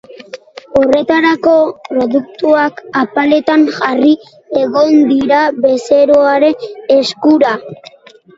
Horretarako, produktuak apaletan jarrita egoten dira, bezeroaren eskura.